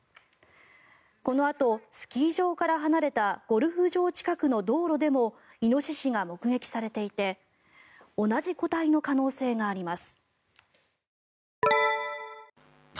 このあとスキー場から離れたゴルフ場近くの道路でもイノシシが目撃されていて同じ個体の可能性があります。